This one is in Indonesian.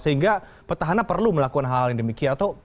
sehingga petahana perlu melakukan hal hal yang demikian